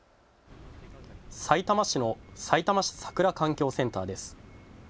さいたま市のさいたま市桜環境センターです。